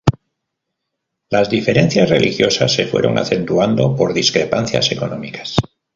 Las diferencias religiosas se fueron acentuando por discrepancias económicas.